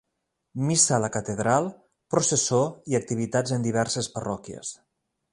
Missa a la Catedral, processó i activitats en diverses parròquies.